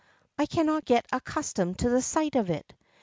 I cannot get accustomed to the sight of it!"